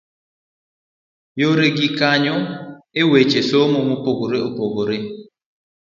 Yore gi konyo e weche somo mopogore opogore.